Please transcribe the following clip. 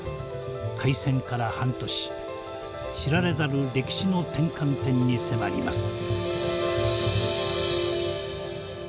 開戦から半年知られざる歴史の転換点に迫ります。